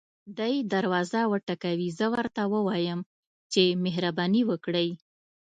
دی دروازه وټکوي زه ورته ووایم چې مهرباني وکړئ.